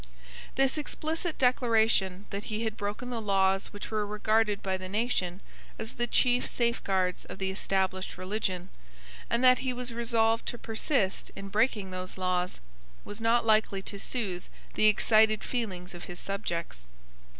This explicit declaration that he had broken the laws which were regarded by the nation as the chief safeguards of the established religion, and that he was resolved to persist in breaking those laws, was not likely to soothe the excited feelings of his subjects.